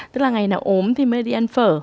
tức là ngày nào ốm thì mới đi ăn phở